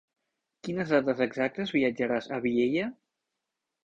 Quines dates exactes viatjaràs a Vielha?